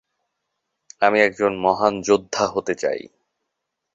আমি একজন মহান যোদ্ধা হতে চাই।